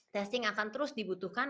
testing akan terus dibutuhkan